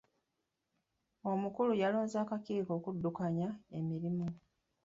Omukulu yalonze akakiiko okuddukanya emirimu.